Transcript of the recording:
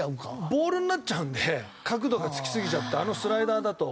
ボールになっちゃうんで角度がつきすぎちゃってあのスライダーだと。